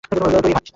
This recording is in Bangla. তুই ভাবিস না।